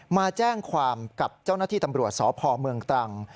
มาแจ้งความกับเจ้าหน้าที่ตำรวจสพเมืองตรัง